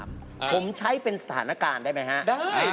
ผมใช้เป็นสถานการณ์ได้ไหมครับได้